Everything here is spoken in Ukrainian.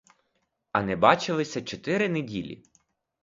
А не бачилися чотири неділі.